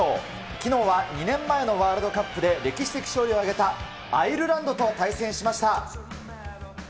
きのうは２年前のワールドカップで歴史的勝利を挙げたアイルランドと対戦しました。